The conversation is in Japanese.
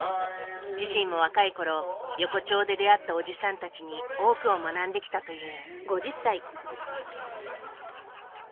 自身も若いころ横丁で出会ったおじさんたちに多くを学んできたという。